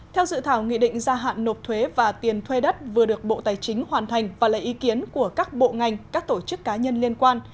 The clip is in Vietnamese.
theo dự thảo nghị định gia hạn nộp thuế và tiền thuê đất vừa được bộ tài chính hoàn thành và lấy ý kiến của các bộ ngành các tổ chức cá nhân liên quan